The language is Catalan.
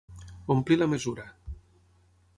Omplir la mesura.